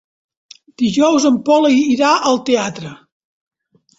Dijous en Pol irà al teatre.